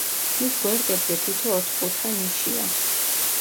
მის გვერდებზე თითო ოთხკუთხა ნიშია.